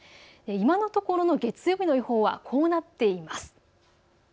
今のところの月曜日の予報はこうなっています。